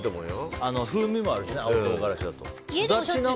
風味もあるしね、青唐辛子だと。